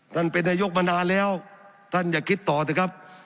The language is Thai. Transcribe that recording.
ท่านเป็นนายกมานานแล้วท่านอย่าคิดต่อเถอะครับ